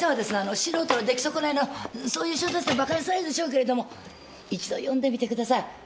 素人の出来そこないのそういう小説とバカにされるでしょうけれども一度読んでみてください。